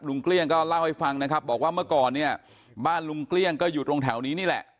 เกลี้ยงก็เล่าให้ฟังนะครับบอกว่าเมื่อก่อนเนี่ยบ้านลุงเกลี้ยงก็อยู่ตรงแถวนี้นี่แหละ